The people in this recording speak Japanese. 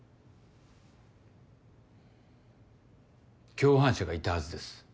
共犯者がいたはずです。